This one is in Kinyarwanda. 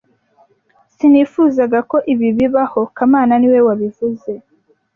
Sinifuzaga ko ibi bibaho kamana niwe wabivuze